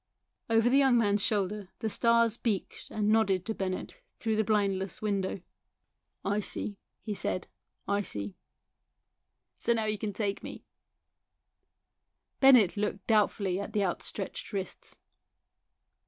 Over the young man's shoulder the stars becked and nodded to Bennett through the blindless window. THE SOUL OF A POLICEMAN 191 " I see," he said ;" I see." " So now you can take me." Bennett looked doubtfully at the out stretched wrists.